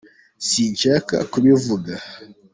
sinshaka kubivuga